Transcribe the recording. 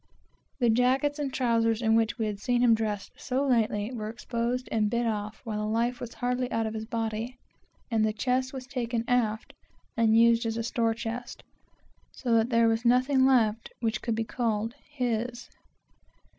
The jackets and trowsers in which we had seen him dressed but a few days before, were exposed and bid off while the life was hardly out of his body, and his chest was taken aft and used as a store chest, so that there was nothing left which could be called his.